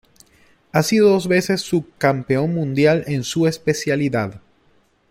Ha sido dos veces sub campeón mundial en su especialidad.